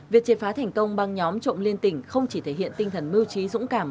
việc triệt phá thành công băng nhóm trộm liên tỉnh không chỉ thể hiện tinh thần mưu trí dũng cảm